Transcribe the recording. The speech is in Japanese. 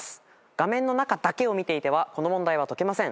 画面の中だけを見ていてはこの問題は解けません。